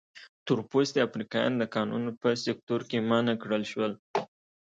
تور پوستي افریقایان د کانونو په سکتور کې منع کړل شول.